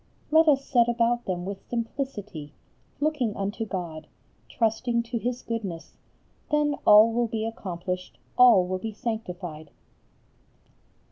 Let us set about them with simplicity, looking unto God, trusting to His goodness, then all will be accomplished, all will be sanctified.